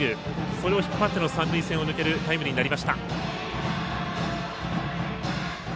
それを引っ張っての三塁線を抜けるタイムリーになりました。